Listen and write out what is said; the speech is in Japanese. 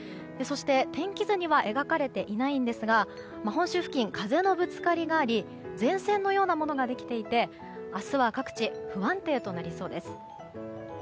天気図には描かれていないんですが本州付近で風のぶつかり合いがあり前線のようなものができていて明日は各地、不安定となりそうです。